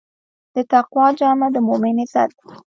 د تقوی جامه د مؤمن عزت دی.